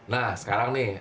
nah sekarang nih